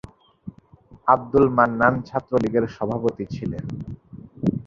আব্দুল মান্নান ছাত্রলীগের সভাপতি ছিলেন।